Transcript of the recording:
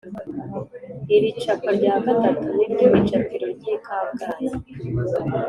iri capa rya gatatu ni ryo icapiro ry’i kabgayi